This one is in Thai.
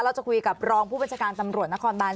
เราจะคุยกับรองผู้บัญชาการตำรวจนครบาน